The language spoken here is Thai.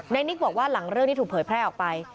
นิกบอกว่าหลังเรื่องนี้ถูกเผยแพร่ออกไป